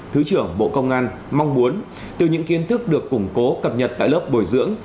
thứ trưởng bộ công an mong muốn từ những kiến thức được củng cố cập nhật tại lớp bồi dưỡng